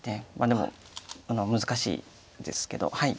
でも難しいですけど。